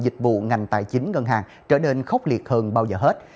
dịch vụ ngành tài chính ngân hàng trở nên khốc liệt hơn bao giờ hết